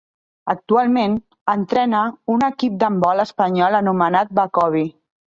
Actualment, entrena un equip d'handbol espanyol anomenat Bacovi.